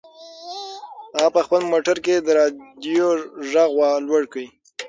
هغه په خپل موټر کې د رادیو غږ لوړ کړ.